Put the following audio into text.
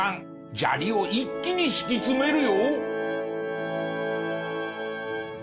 砂利を一気に敷き詰めるよ。